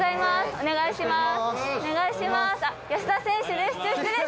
お願いします。